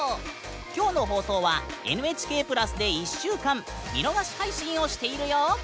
今日の放送は「ＮＨＫプラス」で１週間見逃し配信をしているよ！